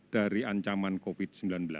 dari ancaman covid sembilan belas